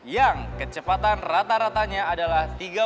yang kecepatan rata ratanya adalah